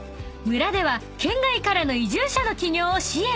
村では県外からの移住者の起業を支援］